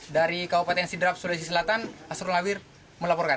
dari kabupaten sidrap sulawesi selatan asrul nabir melaporkan